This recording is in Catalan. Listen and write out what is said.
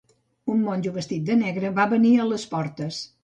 Un monjo vestit de negre va venir a les portes.